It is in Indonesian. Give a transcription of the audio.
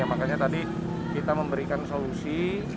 makanya tadi kita memberikan solusi